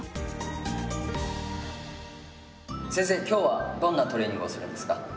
今日はどんなトレーニングをするんですか？